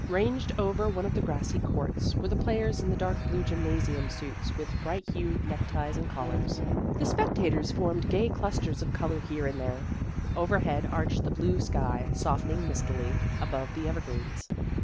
Ranged over one of the grassy courts were the players in the dark blue gymnasium suits with bright hued neck ties and collars. The spectators formed gay clusters of color here and there. Overhead arched the blue sky, softening mistily above the evergreens.